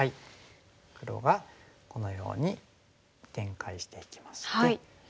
黒がこのように展開していきまして。